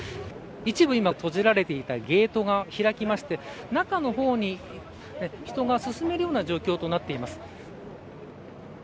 一部、閉じられていたゲートが開きまして中のほうに人が進めるような状況となっています。